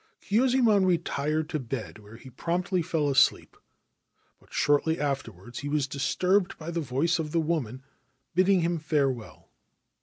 Kyuzaemon retired to bed, where he promptly fell asleep ; but shortly afterwards he was disturbed by the voice of the woman bidding him farewell.